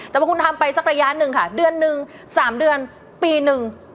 แต่พอคุณทำไปสักระยะหนึ่งค่ะเดือนหนึ่ง๓เดือนปีหนึ่ง